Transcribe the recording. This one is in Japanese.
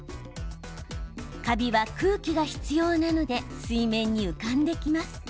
カビは空気が必要なので水面に浮かんでいます。